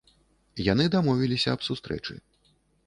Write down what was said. Яны дамовіліся аб сустрэчы.